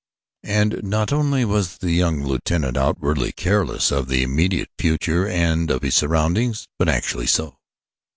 And not only was the young lieutenant outwardly careless of the immediate future and of his surroundings, but actually so.